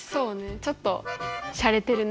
ちょっとしゃれてるね。